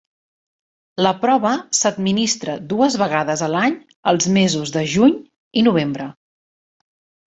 La prova s'administra dues vegades a l'any els mesos de juny i novembre.